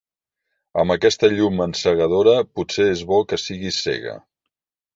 Amb aquesta llum encegadora potser és bo que siguis cega.